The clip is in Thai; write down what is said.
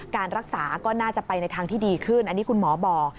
การรักษาก็น่าจะไปในทางที่ดีขึ้นอันนี้คุณหมอบอก